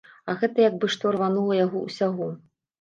А гэта як бы што рванула яго ўсяго.